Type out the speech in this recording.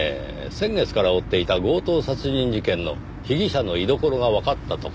先月から追っていた強盗殺人事件の被疑者の居所がわかったとかで。